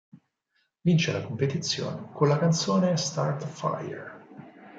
Vince la competizione con la canzone "Start a Fire.